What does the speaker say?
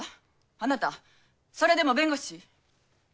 あなたそれでも弁護士？